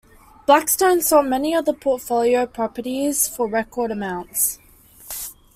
Blackstone sold many of the portfolio's properties for record amounts.